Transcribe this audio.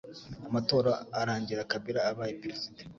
amatora arangira Kabila abaye perezida